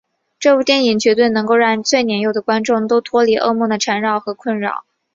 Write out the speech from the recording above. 这部电影绝对能够让最年幼的观众都脱离噩梦的缠绕和困扰。